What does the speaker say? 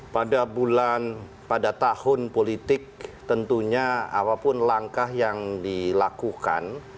pada bulan pada tahun politik tentunya apapun langkah yang dilakukan